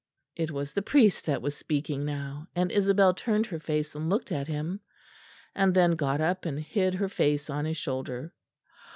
It was the priest that was speaking now; and Isabel turned her face and looked at him; and then got up and hid her face on his shoulder.